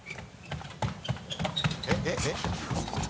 えっえっ？